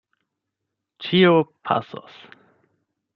Ĉio pasos!